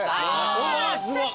うわすごっ。